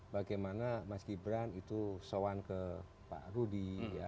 bagaimana mas gibran itu soan ke pak rudi